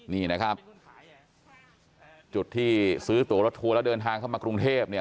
นี่นะครับจุดที่ซื้อตัวรถทัวร์แล้วเดินทางเข้ามากรุงเทพเนี่ย